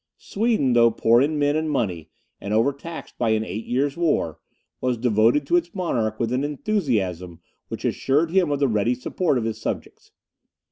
Sweden, though poor in men and money, and overtaxed by an eight years' war, was devoted to its monarch with an enthusiasm which assured him of the ready support of his subjects.